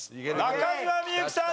中島みゆきさん